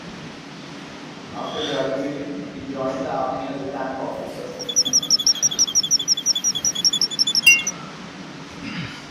After graduating, he joined the Army as a tank officer.